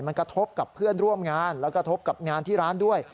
มันกระทบกับเพื่อนร่วมงานแล้วก็ทบกับงานที่ร้านด้วย